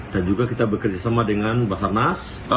dan juga kita bekerjasama dengan basarnas